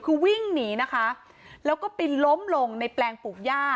คือวิ่งหนีนะคะแล้วก็ไปล้มลงในแปลงปลูกย่า